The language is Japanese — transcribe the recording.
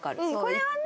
これはね。